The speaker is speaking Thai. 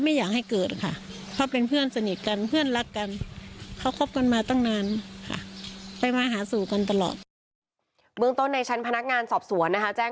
ส่วนงานส่วนของเฟรมเนี่ยญาติจะตั้งสวดอภิษฐรรมที่บ้าน๗วัน